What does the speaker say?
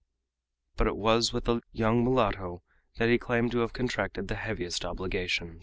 But it was with the young mulatto that he claimed to have contracted the heaviest obligation.